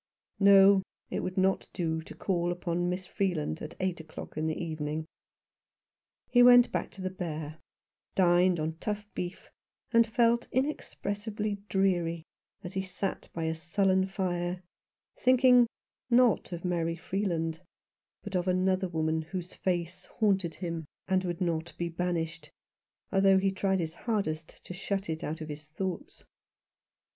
No, it would not do to call upon Miss Freeland at eight o'clock in the evening. He went back to the Bear, dined on tough beef, and felt inex pressibly dreary as he sat by a sullen fire, thinking, not of Mary Freeland, but of another woman whose face haunted him, and would not be 77 Rough Justice. banished, although he tried his hardest to shut it out of his thoughts.